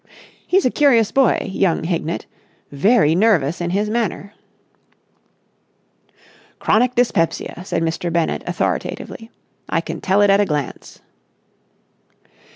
"He's a curious boy, young Hignett. Very nervous in his manner." "Chronic dyspepsia," said Mr. Bennett authoritatively, "I can tell it at a glance."